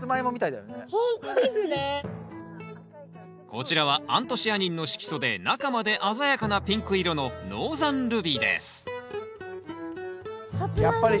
こちらはアントシアニンの色素で中まで鮮やかなピンク色のサツマイモみたい。